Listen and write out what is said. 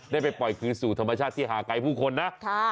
ได้ไปปล่อยคืนสู่ธรรมชาติที่หากายผู้คนนะ